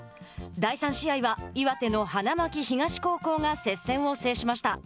第３試合は岩手の花巻東高校が接戦を制しました。